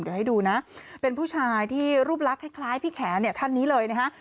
เดี๋ยวให้ดูนะเป็นผู้ชายที่รูปลักษณ์คล้ายพี่แขนเนี่ยท่านนี้เลยนะฮะ